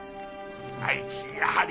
あいつやはり。